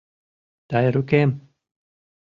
Тайрукем!..